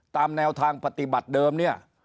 ตามแนวทางปฏิบัติเดิมเนี่ย